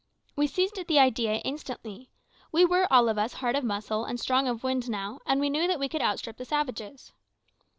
We seized at the idea instantly. We were all of us hard of muscle and strong of wind now, and we knew that we could outstrip the savages.